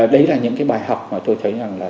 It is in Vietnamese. đấy là những cái bài học mà tôi thấy rằng là